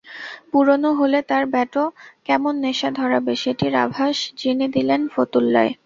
পুরোনো হলে তাঁর ব্যাটও কেমন নেশা ধরাবে, সেটির আভাস যিনি দিলেন ফতুল্লায়।